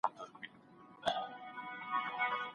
هغه خپله لاره بدله نه کړه.